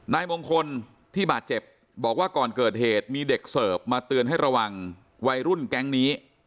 นายมงคลที่บาดเจ็บบอกว่าก่อนเกิดเหตุมีเด็กเสิร์ฟมาเตือนให้ระวังวัยรุ่นแก๊งนี้